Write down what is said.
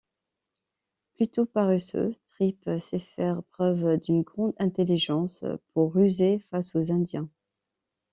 Plutôt paresseux, Tripps sait faire preuve d'une grande intelligence pour ruser face aux indiens.